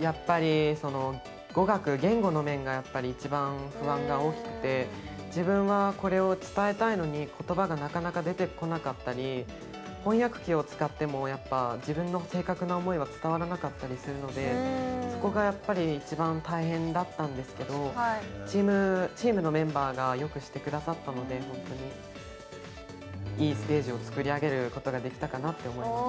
やっぱり語学言語の面がやっぱり一番不安が大きくて自分はこれを伝えたいのに言葉がなかなか出てこなかったり翻訳機を使ってもやっぱ自分の正確な思いは伝わらなかったりするのでそこがやっぱり一番大変だったんですけどチームチームのメンバーがよくしてくださったのでホントにいいステージを作り上げることができたかなって思います